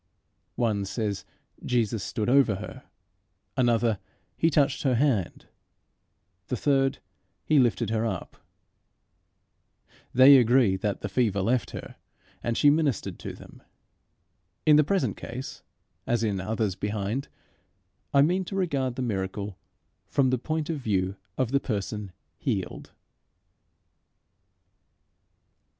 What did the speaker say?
One says Jesus stood over her; another, he touched her hand; the third, he lifted her up: they agree that the fever left her, and she ministered to them. In the present case, as in others behind, I mean to regard the miracle from the point of view of the person healed.